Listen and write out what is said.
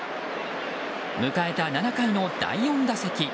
迎えた７回の第４打席。